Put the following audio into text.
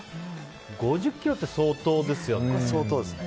５０ｋｇって相当ですよね。